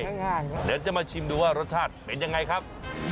เดี๋ยวจะมาชิมดูว่ารสชาติเป็นยังไงครับ